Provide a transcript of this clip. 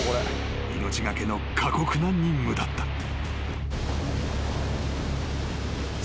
［命懸けの過酷な任務だった］